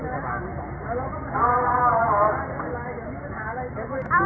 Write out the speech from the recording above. วิธีนักศึกษาติธรรมชาติ